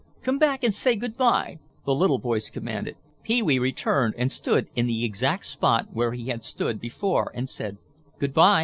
"Come back and say good by," the little voice commanded. Pee wee returned and stood in the exact spot where he had stood before and said, "Good by."